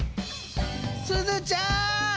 すずちゃん。